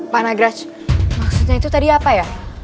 pak nagraj maksudnya itu tadi apa ya